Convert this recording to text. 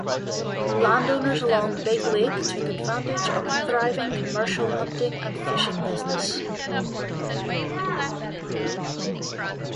Landowners along Big Lake took advantage of a thriving commercial hunting and fishing business.